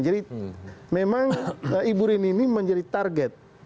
jadi memang ibu rini ini menjadi target